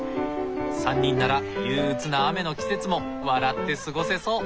３人なら憂鬱な雨の季節も笑って過ごせそう。